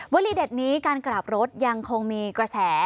บริเดธนี้การกราบรถยังคงมีกระแส